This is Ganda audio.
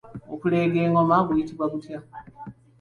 Omuti ogubajjiddwa okuleega engoma guyitibwa gutya?